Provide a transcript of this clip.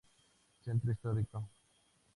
Centro Histórico.